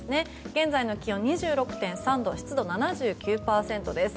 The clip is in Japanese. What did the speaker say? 現在の気温２６．３度湿度７９％です。